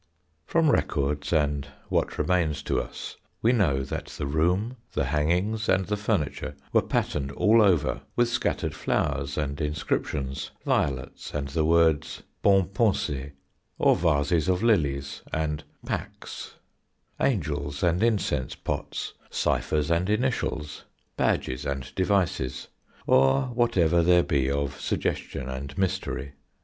From records, and what remains to us, we know that the room, the hangings, and the furniture were patterned all over with scattered flowers and inscriptions violets and the words "bonne pensée"; or vases of lilies and "pax," angels and incense pots, ciphers and initials, badges and devices, or whatever there be of suggestion and mystery.